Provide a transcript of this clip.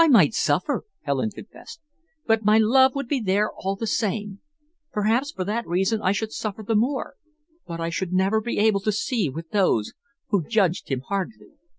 "I might suffer," Helen confessed, "but my love would be there all the same. Perhaps for that reason I should suffer the more, but I should never be able to see with those who judged him hardly."